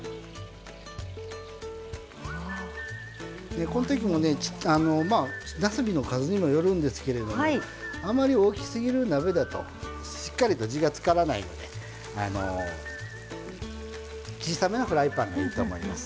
でこの時もねなすびの数にもよるんですけれどもあまり大きすぎる鍋だとしっかりと地がつからないのであの小さめなフライパンでいいと思います。